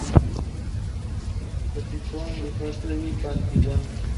Su pico es grisáceo y puntiagudo.